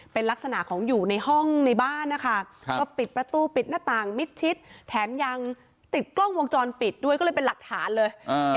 เป็นลักษณะของอยู่ในห้องในบ้านนะคะก็ปิดประตูปิดหน้าต่างมิดชิดแถมยังติดกล้องวงจรปิดด้วยก็เลยเป็นหลักฐานเลย